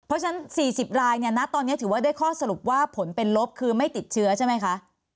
เพราะฉะนั้น๔๐รายเนี่ยณตอนนี้ถือว่าได้ข้อสรุปว่าผลเป็นลบคือไม่ติดเชื้อใช่ไหมคะ